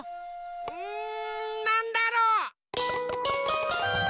うんなんだろう。